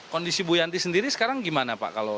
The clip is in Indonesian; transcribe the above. kondisi bu yanti sendiri sekarang gimana pak